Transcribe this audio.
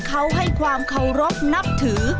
เขาให้ความเคารพนับถือ